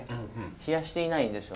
冷やしていないんですよ。